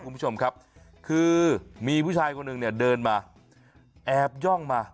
คุณผู้ชมครับคือมีผู้ชายคนหนึ่งเนี่ยเดินมาแอบย่องมา